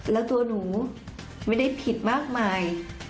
แล้วตัวหนูไม่ได้ผิดมากมาย